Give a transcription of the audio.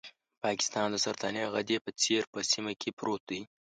پاکستان د سرطاني غدې په څېر په سیمه کې پروت دی.